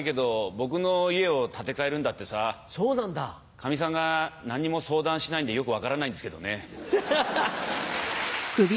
かみさんが何にも相談しないんでよく分からないんですけどね。